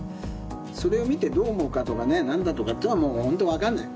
それを見てどう思うかとかね、なんだとかっていうのは、本当分かんない。